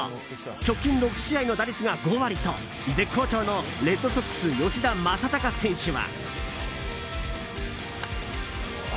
直近６試合の打率が５割と絶好調のレッドソックス吉田正尚選手は。